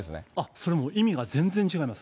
それもう、意味が全然違います。